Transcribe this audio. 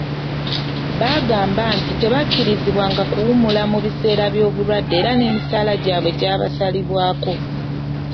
Baagamba nti tebakkirizibwanga kuwummula mu biseera by'obulwadde era n'emisaala gyabwe gyasalibwangako.